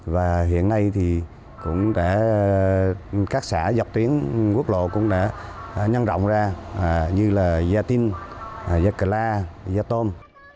và hiện nay thì cũng đã các xã dọc tuyến quốc lộ cũng đã nhân rộng ra như là gia tinh gia cà la gia tôn